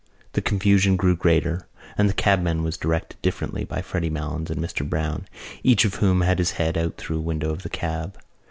The confusion grew greater and the cabman was directed differently by Freddy Malins and Mr Browne, each of whom had his head out through a window of the cab.